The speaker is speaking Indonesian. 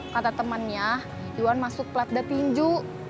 kata temannya iwan masuk plat de pinju